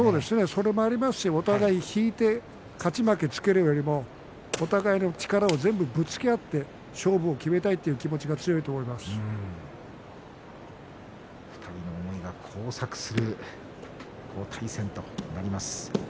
それもありますしお互いに引いて勝ち負けをつけるよりもお互いの力を全部ぶつけ合って勝負を決めたいと２人の思いが交錯するこの対戦となります。